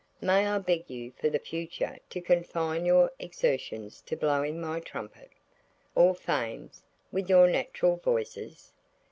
May I beg you for the future to confine your exertions to blowing my trumpet–or Fame's–with your natural voices?